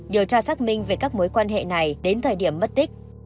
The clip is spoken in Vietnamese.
điều tra xác minh về các mối quan hệ này đến thời điểm mất tích